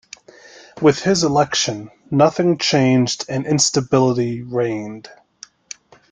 With his election, nothing changed and instability reigned.